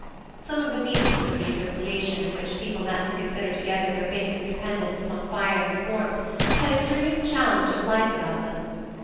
Some of the meetings of the association, in which people met to consider together their basic dependence upon fire and warmth, had a curious challenge of life about them.